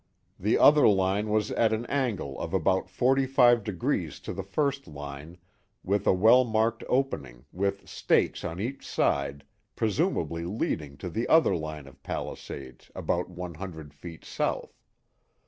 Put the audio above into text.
The other line was at an angle of about forty five degrees to the first line, with a well marked opening, with stakes on each side, presumably leading to the other line of palisades, about one hundred feet south.